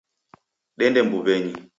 Dende mbuw'enyi.